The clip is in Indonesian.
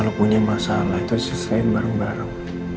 kalau punya masalah itu selain bareng bareng